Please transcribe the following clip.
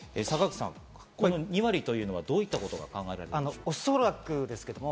坂口さん、この２割というのはどういったことが考えられますか？